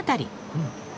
うん。